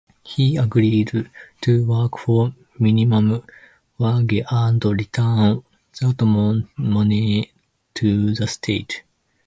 He agreed to work for minimum wage and return that money to the State.